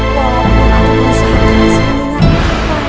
walaupun aku berusaha keras mengingatkan